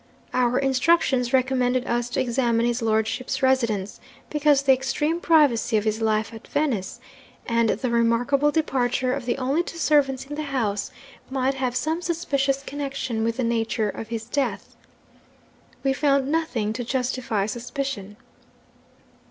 Our instructions recommended us to examine his lordship's residence, because the extreme privacy of his life at Venice, and the remarkable departure of the only two servants in the house, might have some suspicious connection with the nature of his death. We found nothing to justify suspicion.